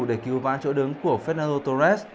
để cứu vãn chỗ đứng của fernando torres